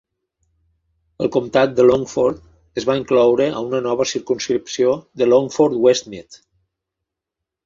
El comtat de Longford es va incloure a una nova circumscripció de Longford-Westmeath.